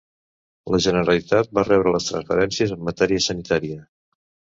La Generalitat va rebre les transferències en matèria sanitària.